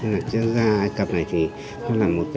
nhưng mà chứ ra ai cập này thì mình thấy người ta làm rất tốt